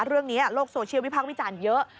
เรื่องนี้โลกโซเชียลพิพากษ์วิจารณ์เยอะ